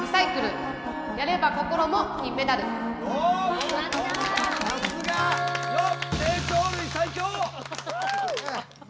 よっさすが！よっ！